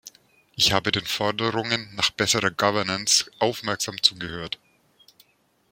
Ich habe den Forderungen nach besserer Governance aufmerksam zugehört.